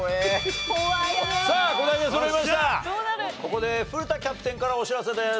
ここで古田キャプテンからお知らせです。